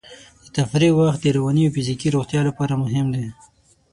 د تفریح وخت د رواني او فزیکي روغتیا لپاره مهم دی.